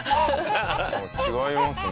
違いますね